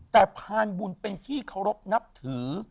แต่พานบุญเป็นที่เคารพนับถือ